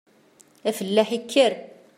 Afellaḥ yekker.